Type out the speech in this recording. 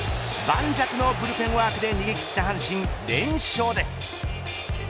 盤石のブルペンワークで逃げ切った阪神、連勝です。